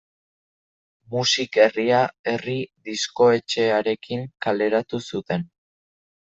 MusikHerria herri diskoetxearekin kaleratu zuten.